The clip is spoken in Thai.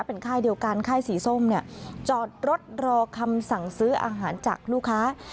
เป็นค่ายเดียวกันค่ายสีส้มเนี่ยจอดรถรอคำสั่งซื้ออาหารจากลูกค้า